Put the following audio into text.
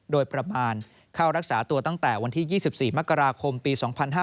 โดยประมาณเข้ารักษาตัวตั้งแต่วันที่๒๔มกราคมปี๒๕๕๙